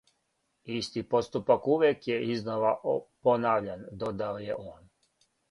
"Исти поступак увијек је изнова понављан," додао је он."